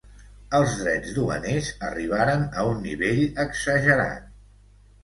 Els drets duaners arribaren a un nivell exagerat.